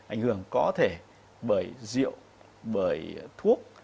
ảnh hưởng có thể bởi rượu